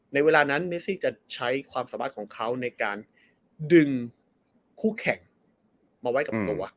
ในเวลานั้นเมซี่จะใช้ความสามารถของเขาในการดึงคู่แข่งมาไว้กับตัว